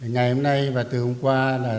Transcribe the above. ngày hôm nay và từ hôm qua